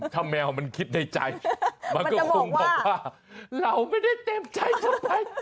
ถ้าแมวมันคิดในใจมันก็คงบอกว่าเราไม่ได้เต็มใจทำไม